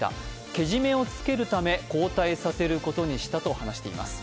けじめをつけるため交代させることにしたと話しています。